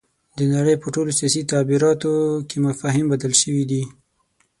د نړۍ په ټولو سیاسي تعبیراتو کې مفاهیم بدل شوي دي.